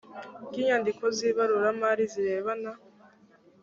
ry inyandiko z ibaruramari zirebana